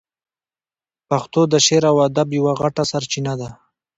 پښتو د شعر او ادب یوه غټه سرچینه ده.